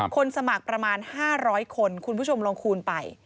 สมัครประมาณ๕๐๐คนคุณผู้ชมลองคูณไป